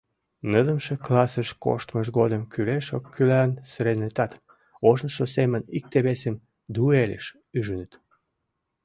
Нылымше классыш коштмышт годым кӱлеш-оккӱллан сыренытат, ожнысо семын икте-весым дуэльыш ӱжыныт.